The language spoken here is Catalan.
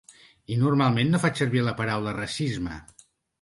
I normalment no faig servir la paraula ‘racisme’.